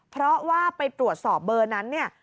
เพราะว่าไปตรวจสอบเบอร์นั้นเนี่ย